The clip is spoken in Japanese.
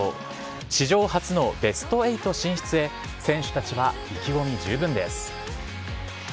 史上初のベスト８進出へ、選手たちが意気込み十分です。